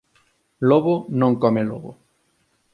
Lobo non come lobo.